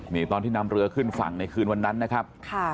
นี่ตอนที่นำเรือขึ้นฝั่งในคืนวันนั้นนะครับ